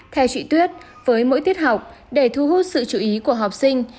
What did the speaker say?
theo chị tuyết với mỗi tiết học để thu hút sự chú ý của học sinh